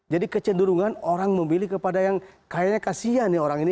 jadi kecenderungan orang memilih kepada yang kayaknya kasian nih orang ini